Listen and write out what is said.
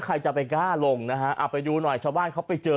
ใครจะไปกล้าลงนะฮะเอาไปดูหน่อยชาวบ้านเขาไปเจอ